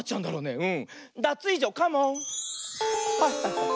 うん。